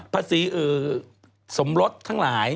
ภาษีสมรสทั้งหลาย